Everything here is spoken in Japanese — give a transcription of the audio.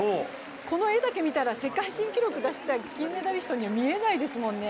この画だけ見たら世界新記録出した金メダリストには見えないですよね。